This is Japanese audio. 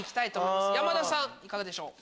いかがでしょう？